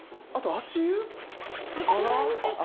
足湯いいですね。